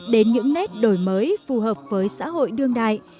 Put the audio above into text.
đến những nét đổi mới phù hợp với xã hội đương đại